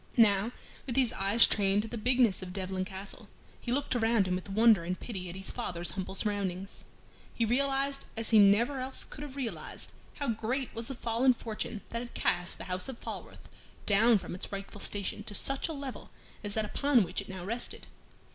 Now, with his eyes trained to the bigness of Devlen Castle, he looked around him with wonder and pity at his father's humble surroundings. He realized as he never else could have realized how great was the fall in fortune that had cast the house of Falworth down from its rightful station to such a level as that upon which it now rested.